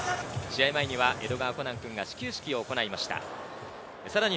試合前には江戸川コナン君が始球式を行いました。